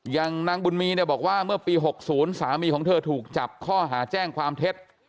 นางบุญมีเนี่ยบอกว่าเมื่อปี๖๐สามีของเธอถูกจับข้อหาแจ้งความเท็จ